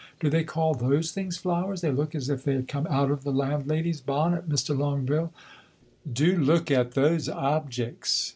Do they call those things flowers? They look as if they had come out of the landlady's bonnet! Mr. Longueville, do look at those objects."